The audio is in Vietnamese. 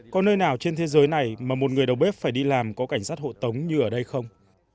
có nơi nào trên thế giới này mà một người đầu bếp phải đi làm có cảnh sát hộ tống như ở đây không